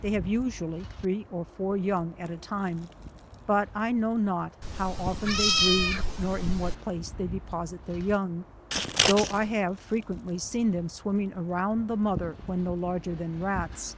They have usually three or four young at a time, but I know not how often they breed, nor in what place they deposit their young, though 1 have frequently seen them swimming around Jhe mother, when no larger than rats.